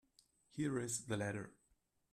Here is the letter.